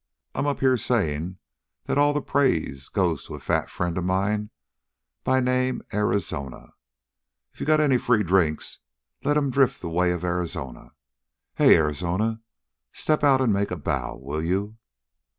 I'm up here saying that all the praise goes to a fat friend of mine by name Arizona. If you got any free drinks, let 'em drift the way of Arizona. Hey, Arizona, step out and make a bow, will you?"